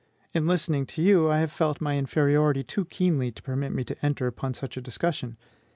In listening to you, I have felt my inferiority too keenly to permit me to enter upon such a discussion.